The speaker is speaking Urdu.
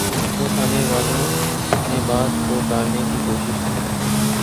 تو تھانے والوں نے بات کو ٹالنے کی کوشش کی۔